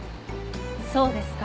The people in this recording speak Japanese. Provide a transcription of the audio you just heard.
そうですか。